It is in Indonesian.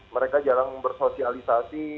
mereka jarang bersosialisasi